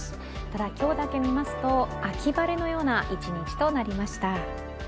ただ、今日だけ見ますと秋晴れのような一日となりました。